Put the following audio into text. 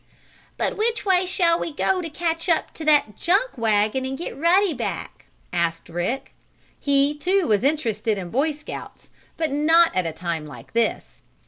"But which way shall we go to catch up to that junk wagon and get Ruddy back?" asked Rick. He, too, was interested in Boy Scouts, but not at a time like this.